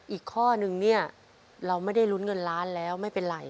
อีกข้อนึงเนี่ยเราไม่ได้ลุ้นเงินล้านแล้วไม่เป็นไร